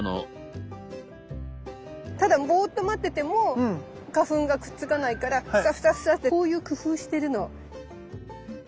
ただボーッと待ってても花粉がくっつかないからフサフサフサってこういう工夫してるの。